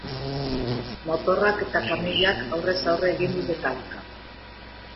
Motorrak eta kamioak aurrez aurre egin dute talka.